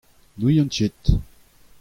N'ouzont ket.